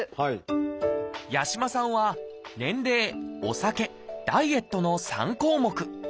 八嶋さんは「年齢」「お酒」「ダイエット」の３項目。